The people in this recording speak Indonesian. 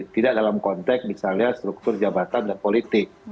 tidak dalam konteks misalnya struktur jabatan dan politik